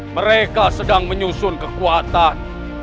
mereka sedang menyusun kekuatan